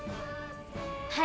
はい。